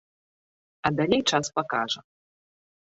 А далей час пакажа.